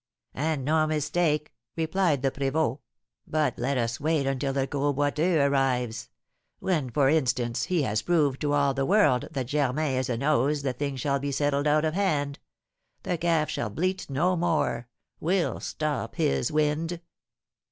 "And no mistake," replied the prévôt; "but let us wait until the Gros Boiteux arrives. When, for instance, he has proved to all the world that Germain is a nose the thing shall be settled out of hand; the calf shall bleat no more, we'll stop his wind."